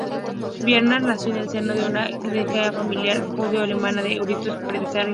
Bernays nació en el seno de una distinguida familia judeo-alemana de eruditos y empresarios.